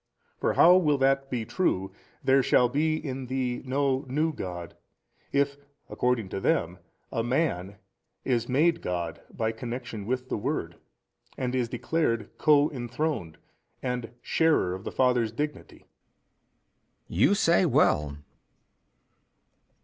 For how will that be true, There shall he in thee no new god, if according to them a man is made god by connection with the Word and is declared co enthroned and sharer of the Father's Dignity? b. You say well.